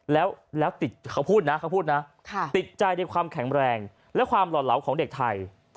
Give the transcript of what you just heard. แล้วติดเขาพูดนะเขาพูดนะติดใจในความแข็งแรงและความหล่อเหลาของเด็กไทย